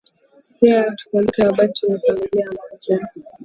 Pia tukumbuke Wabantu ni familia moja